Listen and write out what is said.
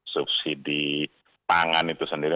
subsidi pangan itu sendiri